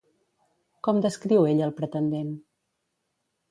Com descriu ell al pretendent?